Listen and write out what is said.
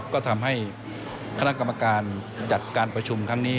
ก็ทำให้คณะกรรมการจัดการประชุมครั้งนี้